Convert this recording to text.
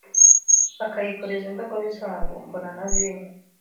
bakayikoreza indogobe zabo mbona na vino